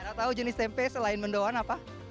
ada tau jenis tempe selain mendoan apa